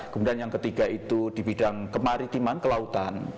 kemudian yang ketiga itu di bidang kemaritiman kelautan